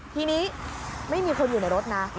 ทีนี้ไม่มีคนอยู่ในรถนะ